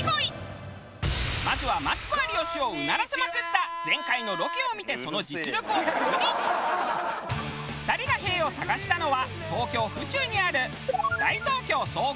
まずはマツコ有吉をうならせまくった前回のロケを見て２人が「へぇ」を探したのは東京府中にある。